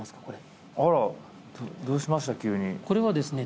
これあらどうしました？